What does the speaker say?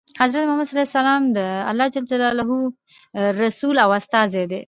حضرت محمد ﷺ د الله ﷻ رسول او استازی دی.